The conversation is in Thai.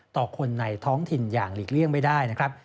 ต่อคนในท้องถิ่นอย่างหลีกเลี่ยงไม่ได้นะครับ